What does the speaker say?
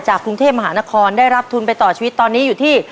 กรุงเทพมหานครได้รับทุนไปต่อชีวิตตอนนี้อยู่ที่